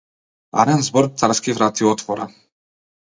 Арен збор царски врати отвора.